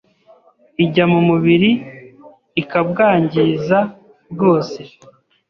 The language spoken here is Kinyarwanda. ijya mumubiri ikabwangiza bwose